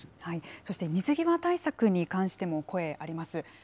そして水際対策に対しても声あります。